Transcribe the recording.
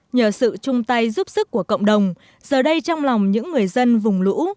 nhờ sự chung tay giúp sức của cộng đồng giờ đây trong lòng những người dân vùng lũ